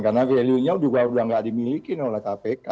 karena value nya juga udah gak dimiliki oleh kpk